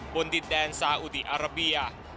บนดินแดนซาอุดีอาราเบีย